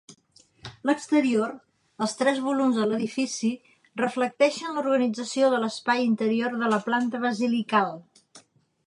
L'exterior, els tres volums de l'edifici, reflecteixen l'organització de l'espai interior de la planta basilical.